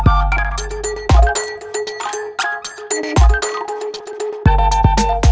kau mau kemana